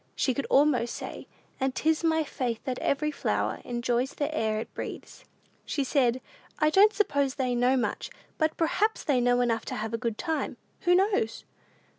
She could almost say, "And 'tis my faith that every flower Enjoys the air it breathes." She said, "I don't suppose they know much, but perhaps they know enough to have a good time: who knows?"